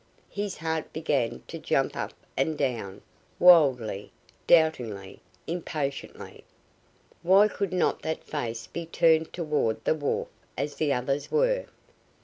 His heart began to jump up and down, wildly, doubtingly, impatiently. Why could not that face be turned toward the wharf as the others were?